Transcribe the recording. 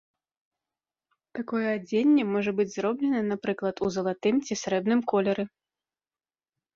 Такое адзенне можа быць зроблена, напрыклад, у залатым ці срэбным колеры.